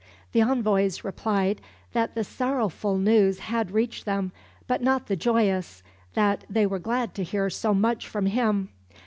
The envoys replied that the sorrowful news had reached them, but not the joyous that they were glad to hear so much from him.